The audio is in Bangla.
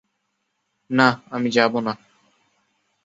না, আমি যাব না।